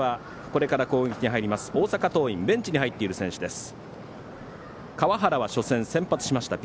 これから攻撃に入ります大阪桐蔭ベンチに入っている選手です。